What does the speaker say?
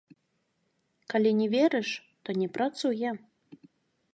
Калі не верыш, то не працуе.